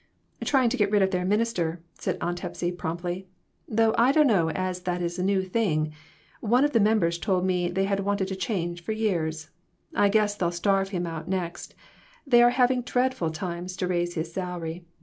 "Trying to get rid of their minister," said Aunt Hepsy, promptly. "Though I dunno as that is a new thing; one of the members told me they had wanted a change for years. I guess they'll starve him out next ; they are having dreadful times to raise his salary.